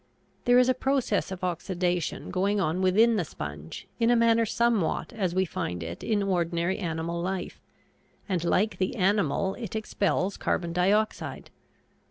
There is a process of oxidation going on within the sponge in a manner somewhat as we find it in ordinary animal life, and like the animal it expels carbon dioxide.